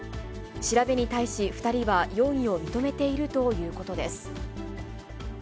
調べに対し、２人は容疑を認めているということです。